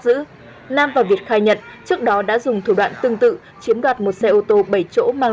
giữ nam và việt khai nhận trước đó đã dùng thủ đoạn tương tự chiếm đoạt một xe ô tô bảy chỗ mang